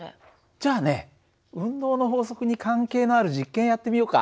じゃあね運動の法則に関係のある実験やってみようか。